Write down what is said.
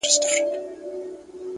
وخت د بې پروایۍ قیمت اخلي!